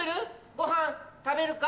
ごはん食べるか？